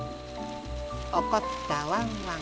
おこったワンワン